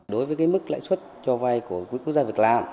đối với mức lãi suất cho vay của quỹ quốc gia việc làm